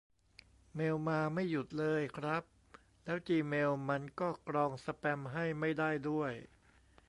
เมลมาไม่หยุดเลยครับ แล้วจีเมลมันก็กรองสแปมให้ไม่ได้ด้วย